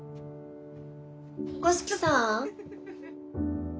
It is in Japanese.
五色さん？